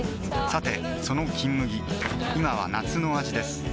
さてその「金麦」今は夏の味です